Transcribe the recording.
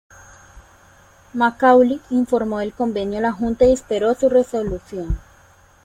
Macaulay informó del convenio a la junta y espero su resolución.